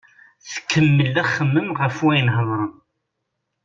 Tkemmel axemmem ɣef wayen hedren.